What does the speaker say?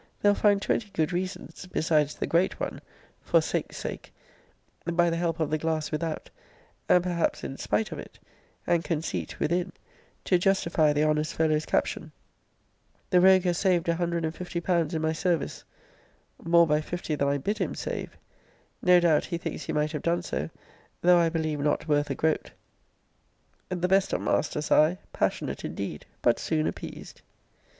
] they'll find twenty good reasons, besides the great one (for sake's sake) by the help of the glass without (and perhaps in spite of it) and conceit within, to justify the honest fellow's caption. 'The rogue has saved 150£. in my service.' More by 50 than I bid him save. No doubt, he thinks he might have done so; though I believe not worth a groat. 'The best of masters I passionate, indeed; but soon appeased.'